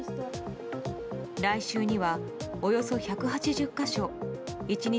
来週には、およそ１８０か所１日